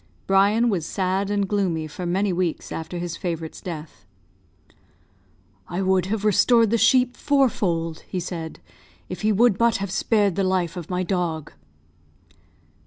Brian was sad and gloomy for many weeks after his favourite's death. "I would have restored the sheep fourfold," he said, "if he would but have spared the life of my dog."